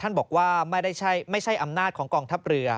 บอกว่าไม่ใช่อำนาจของกองทัพเรือ